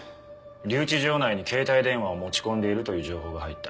留置場内に携帯電話を持ち込んでいるという情報が入った。